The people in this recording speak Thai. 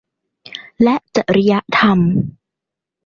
และจริยธรรม